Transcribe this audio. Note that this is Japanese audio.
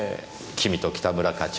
君と北村課長。